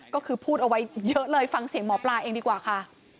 ก็คือพูดเอาไว้เยอะเลยฟังเสียงหมอปลาเองดีกว่าค่ะ